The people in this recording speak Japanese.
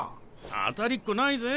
当たりっこないぜ。